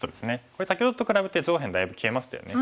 これ先ほどと比べて上辺だいぶ消えましたよね。